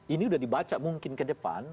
ini udah dibaca mungkin ke depan